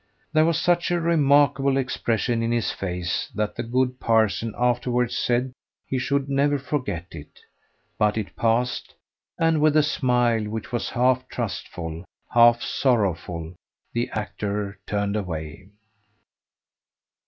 There was such a remarkable expression in his face that the good parson afterwards said he should never forget it; but it passed, and with a smile, which was half trustful, half sorrowful, the actor turned away.